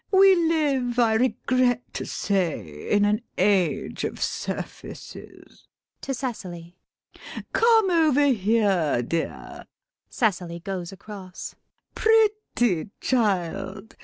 We live, I regret to say, in an age of surfaces. [To Cecily.] Come over here, dear. [Cecily goes across.] Pretty child!